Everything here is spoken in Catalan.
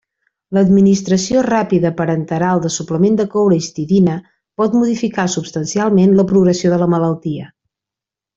L’administració ràpida parenteral del suplement de coure-histidina pot modificar substancialment la progressió de la malaltia.